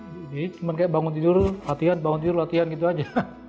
jadi cuma kayak bangun tidur latihan bangun tidur latihan gitu aja